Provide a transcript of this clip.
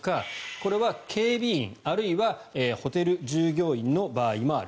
これは警備員、あるいはホテル従業員の場合もある。